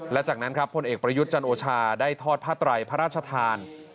และจากนั้นครับพลเอกประยุทธ์จันโอชาได้ทอดผ้าไตรพระราชทาน